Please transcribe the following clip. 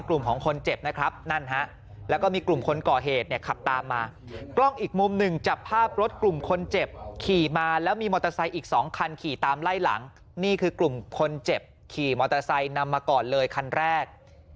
ขี่มอเตอร์ไซค์นำมาก่อนเลยคันแรก